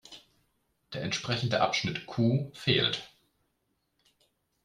Der entsprechende Abschnitt Q fehlt.